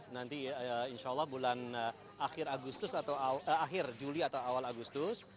nanti insya allah bulan akhir juli atau awal agustus